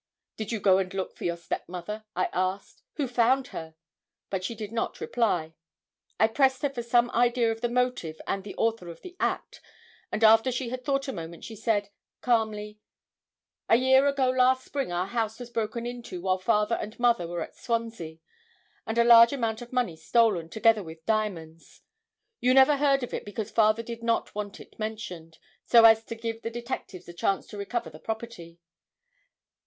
'Did you go and look for your stepmother?' I asked. 'Who found her?' But she did not reply. I pressed her for some idea of the motive and the author of the act, and after she had thought a moment she said, calmly: 'A year ago last spring our house was broken into while father and mother were at Swansea, and a large amount of money stolen, together with diamonds. You never heard of it because father did not want it mentioned, so as to give the detectives a chance to recover the property.